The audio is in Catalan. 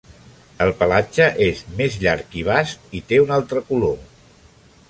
El pelatge és més llarg i bast i té un altre color.